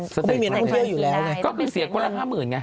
ไม่มีนักท่องเที่ยวอยู่แล้วไงก็คือเสียคนละห้าหมื่นไง